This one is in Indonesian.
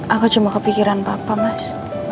aku cuma kepikiran papa mas